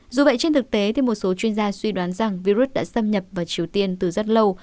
dù vậy trên thực tế thì một số chuyên gia suy đoán rằng virus đã xâm nhập vào triều tiên từ rất lâu